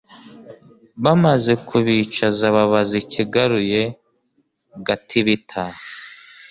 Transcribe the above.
Bamaze kubicaza babaza ikigaruye Gatibita